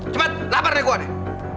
cepat lapar nih gue nih